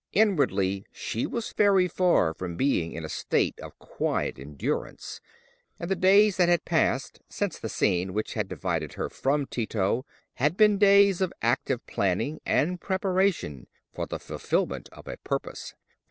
Inwardly she was very far from being in a state of quiet endurance, and the days that had passed since the scene which had divided her from Tito had been days of active planning and preparation for the fulfilment of a purpose.